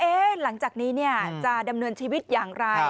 หลังจากนี้จะดำเนินชีวิตอย่างไร